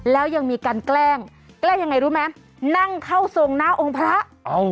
แล้วยังมีการแกล้งแกล้งยังไงรู้ไหมนั่งเข้าทรงหน้าองค์พระ